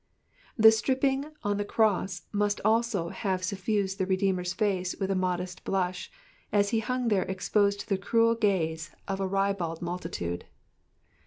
The stripping on the cross must also have suffused the Redeemer's face with a modest blush, as he hung there exposed to the cruel gaze of a ribald multitude.